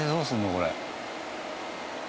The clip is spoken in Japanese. これ。